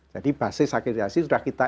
jadi basis akreditasi sudah kita